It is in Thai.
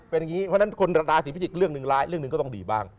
เป็นอย่างนี้เพราะฉะนั้นคนราศีพิจิกษ์เรื่องหนึ่งร้ายเรื่องหนึ่งก็ต้องดีบ้าง